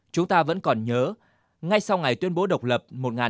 chúng ta vẫn còn nhớ ngay sau ngày tuyên bố độc lập một nghìn chín trăm bảy mươi năm